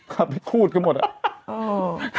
กลับไปกูดขึ้นหมดอะ